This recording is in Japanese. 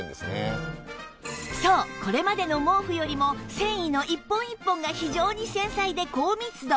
そうこれまでの毛布よりも繊維の一本一本が非常に繊細で高密度